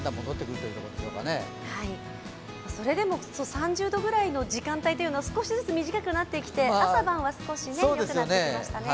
３０度ぐらいの時間帯は少しずつ短くなってきて朝晩は少しよくなってきましたね。